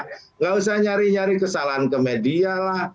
tidak usah nyari nyari kesalahan ke media lah